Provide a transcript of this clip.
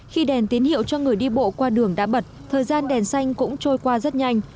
khi đèn tín hiệu cho người đi bộ qua đường đã bật thời gian đèn xanh cũng trôi qua rất nhanh